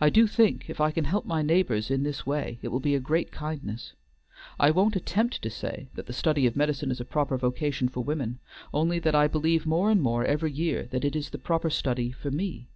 I do think if I can help my neighbors in this way it will be a great kindness. I won't attempt to say that the study of medicine is a proper vocation for women, only that I believe more and more every year that it is the proper study for me.